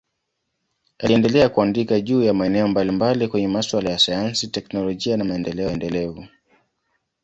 Aliendelea kuandika juu ya maeneo mbalimbali kwenye masuala ya sayansi, teknolojia na maendeleo endelevu.